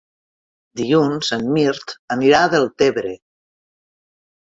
Dilluns en Mirt anirà a Deltebre.